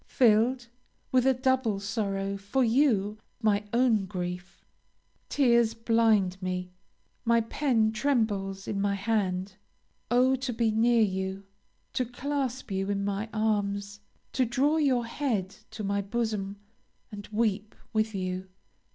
Filled with a double sorrow, for you, for my own grief. Tears blind me, my pen trembles in my hand. Oh, to be near you! to clasp you in my arms! to draw your head to my bosom, and weep with you!